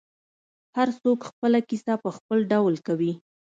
هر څوک خپله کیسه په خپل ډول کوي.